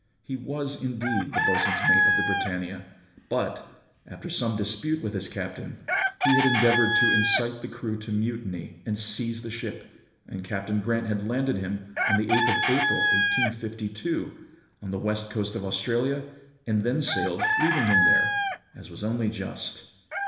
He was, indeed, the boatswain's mate of the Britannia; but, after some dispute with his captain, he had endeavoured to incite the crew to mutiny and seize the ship, and Captain Grant had landed him, on the 8th of April, 1852, on the west coast of Australia, and then sailed, leaving him there, as was only just.